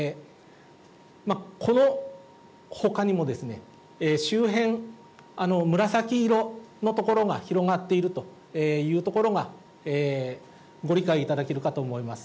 このほかにも周辺、紫色の所が広がっているという所がご理解いただけるかと思います。